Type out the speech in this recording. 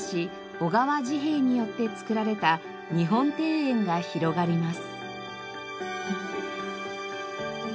小川治兵衛によって造られた日本庭園が広がります。